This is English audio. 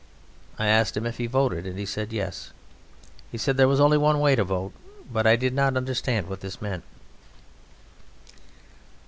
I asked him if he voted, and he said "yes." He said there was only one way to vote, but I did not understand what this meant.